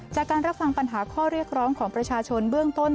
จากการรับฟังปัญหาข้อเรียกร้องของประชาชนเบื้องต้น